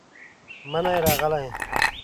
منی راغلې،